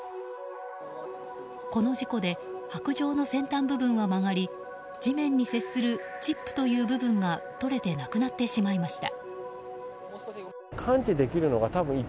この事故で白杖の先端部分は曲がり地面に接するチップという部分が取れてなくなってしまいました。